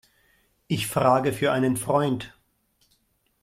Ich frage für einen Freund.